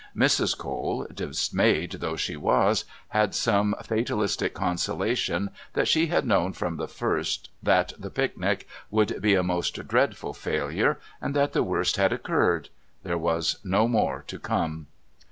Mrs. Cole, dismayed though she was, had some fatalistic consolation that she had known from the first that the picnic would be a most dreadful failure and that the worst had occurred; there was no more to come.